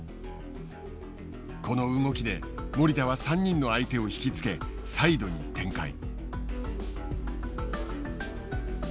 この動きで守田は３人の相手を引き付けサイドに展開。